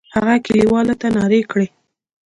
هغه کلیوالو ته نارې کړې.